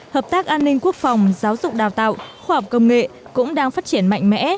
hợp tác an ninh quốc phòng giáo dục đào tạo khoa học công nghệ cũng đang phát triển mạnh mẽ